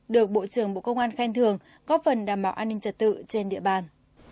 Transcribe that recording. được bộ trưởng bộ công an khen thưởng có phần đảm bảo an ninh trật tự trên địa bàn